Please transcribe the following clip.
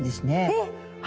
えっ。